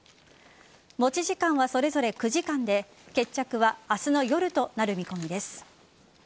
持ち時間はそれぞれ９時間で決着は明日の夜となる見込みです。